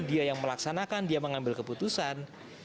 dia yang melaksanakan dia mengambil keputusan